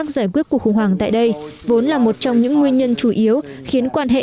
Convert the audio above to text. giải quyết cuộc khủng hoảng tại đây vốn là một trong những nguyên nhân chủ yếu khiến quan hệ